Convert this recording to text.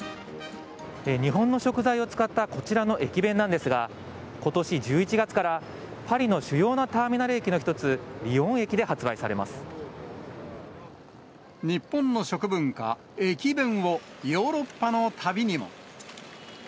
日本の食材を使ったこちらの駅弁なんですが、ことし１１月からパリの主要なターミナル駅の一つ、リヨン駅で発日本の食文化、駅弁を、ヨーロッパの旅にも。